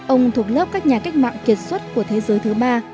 ông thuộc lớp các nhà cách mạng kiệt xuất của thế giới thứ ba